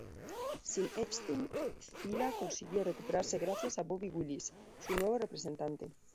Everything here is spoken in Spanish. Sin Epstein, Cilla consiguió recuperarse gracias a Bobby Willis, su nuevo representante.